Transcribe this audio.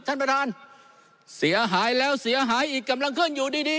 ท่านประธานเสียหายแล้วเสียหายอีกกำลังขึ้นอยู่ดีดี